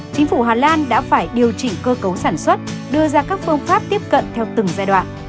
chính phủ hà lan đã phải điều chỉnh cơ cấu sản xuất đưa ra các phương pháp tiếp cận theo từng giai đoạn